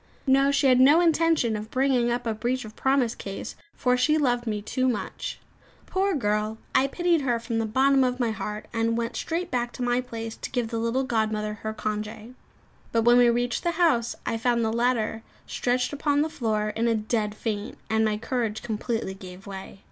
No; she had no intention of bringing up a breach of promise case, for she loved me too much. Poor girl; I pitied her from the bottom of my heart, and went straight back to my place to give the little godmother her congé. But when we reached the house, I found the latter stretched upon the floor in a dead faint; and my courage completely gave way.